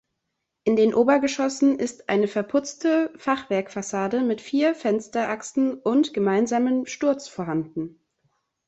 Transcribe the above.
In den Obergeschossen ist eine verputzte Fachwerkfassade mit vier Fensterachsen und gemeinsamen Sturz vorhanden.